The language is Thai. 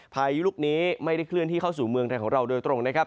พายุลูกนี้ไม่ได้เคลื่อนที่เข้าสู่เมืองไทยของเราโดยตรงนะครับ